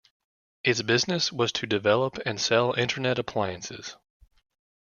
Its business was to develop and sell Internet appliances.